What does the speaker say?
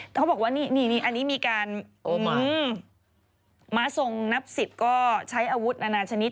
เขาบอกว่าอันนี้มีการหืมมมาสงคร์นับศิษฐ์ก็ใช้อาวุธอาณาชนิด